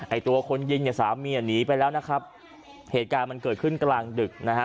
ตัวคนยิงเนี่ยสามีหนีไปแล้วนะครับเหตุการณ์มันเกิดขึ้นกลางดึกนะฮะ